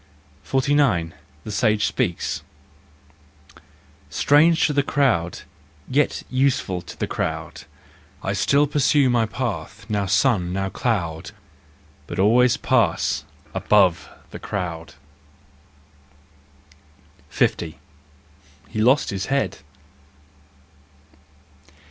49 The Sage Speaks . Strange to the crowd, yet useful to the crowd, I still pursue my path, now sun, now cloud, But always pass above the crowd! SO. He lost his Head.